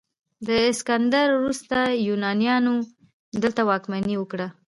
د اسکندر وروسته یونانیانو دلته واکمني وکړه